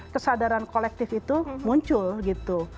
kesadaran kolektif itu muncul gitu